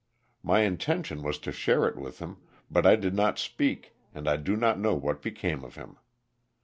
My intention was to share it with him, but I did not speak and I do not know what became of him.